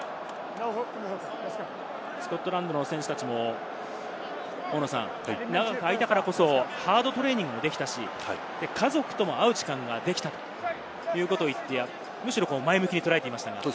スコットランドの選手たちも長く空いたからこそハードトレーニングできたし、家族とも会う時間ができたということを言っていて前向きに捉えていました。